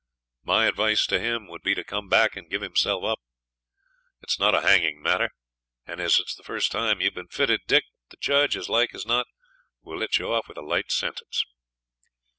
My advice to him would be to come back and give himself up. It's not a hanging matter, and as it's the first time you've been fitted, Dick, the judge, as like as not, will let you off with a light sentence.'